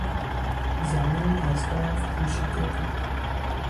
زمین از برف پوشیده بود.